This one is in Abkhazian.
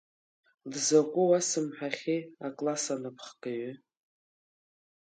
Дзакәу уасымҳәахьеи акласс анапхгаҩы.